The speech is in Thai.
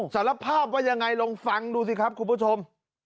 สารภาพว่ายังไงลองฟังดูสิครับคุณผู้ชม